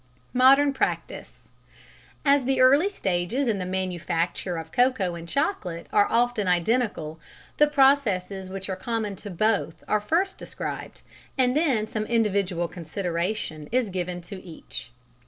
MODERN PRACTICE. As the early stages in the manufacture of cocoa and of chocolate are often identical, the processes which are common to both are first described, and then some individual consideration is given to each.